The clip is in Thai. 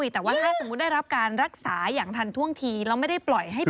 แต่ว่าถ้าสมมุติได้รับการรักษาอย่างทันท่วงทีแล้วไม่ได้ปล่อยให้ตัว